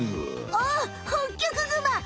あっホッキョクグマ！